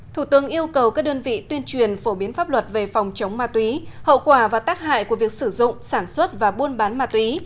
thủ tướng yêu cầu các đơn vị tuyên truyền phổ biến pháp luật về phòng chống ma túy hậu quả và tác hại của việc sử dụng sản xuất và buôn bán ma túy